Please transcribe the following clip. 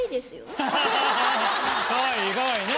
かわいいかわいいな。